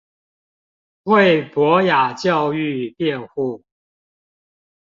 為博雅教育辯護